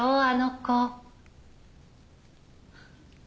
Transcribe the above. あの子。